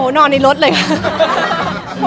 โอ้นอนในรถเลยครับ